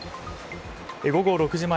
午後６時前